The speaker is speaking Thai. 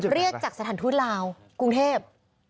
เรียกจากสถานทูตลาวกรุงเทพ